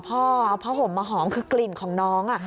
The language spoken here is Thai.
พ่อเอาผ้าห่มมาหอมคือกลิ่นของน้อง